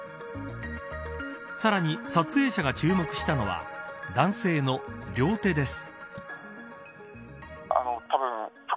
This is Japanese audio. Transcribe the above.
さらに撮影者が注目したのは男性の両手です。